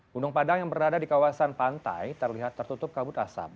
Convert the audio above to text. gunung padang yang berada di kawasan pantai terlihat tertutup kabut asap